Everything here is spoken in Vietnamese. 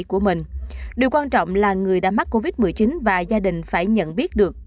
của mình điều quan trọng là người đã mắc covid một mươi chín và gia đình phải nhận biết được